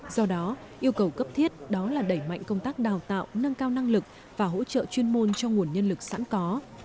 do đó yêu cầu cấp thiết đó là đẩy mạnh công tác đào tạo nâng cao năng lực và hỗ trợ chuyên môn cho nguồn nhân lực sẵn có